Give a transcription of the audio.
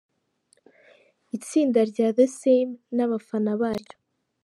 Itsinda rya The Same n'abafana baryo.